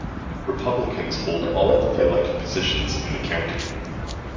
Republicans hold all of the elected positions in the county.